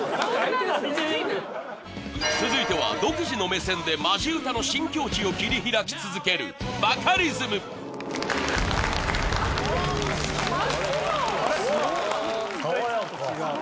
続いては独自の目線でマジ歌の新境地を切り開き続けるさわやか。